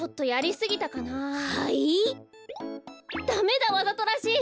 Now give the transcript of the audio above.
ダメだわざとらしい！